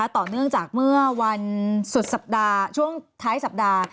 ต่อเนื่องจากเมื่อวันสุดสัปดาห์ช่วงท้ายสัปดาห์